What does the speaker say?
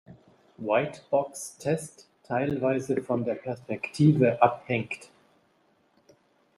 White-Box-Test teilweise von der Perspektive abhängt.